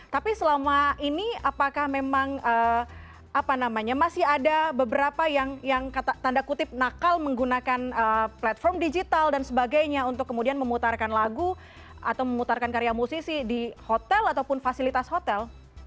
tapi selama ini apakah memang masih ada beberapa yang tanda kutip nakal menggunakan platform digital dan sebagainya untuk kemudian memutarkan lagu atau memutarkan karya musisi di hotel ataupun fasilitas hotel